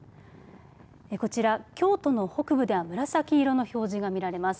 こちら、京都の北部では紫色の表示が見られます。